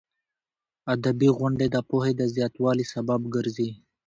ادبي غونډې د پوهې د زیاتوالي سبب ګرځي.